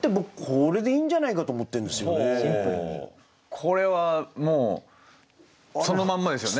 これはもうそのまんまですよね。